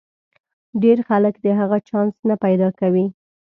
ډېر خلک د هغه چانس نه پیدا کوي.